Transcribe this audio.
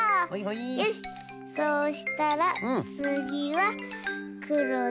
よしそうしたらつぎはくろで。